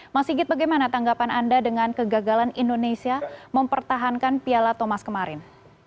mas sigit bagaimana tanggapan anda dengan kegagalan indonesia mempertahankan piala thomas kemarin